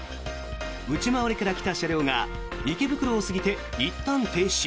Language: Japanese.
内回りから来た車両が池袋を過ぎて一旦停止。